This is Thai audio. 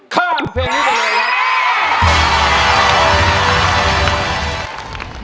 ข้ามเพลงนี้ไปเลยครับ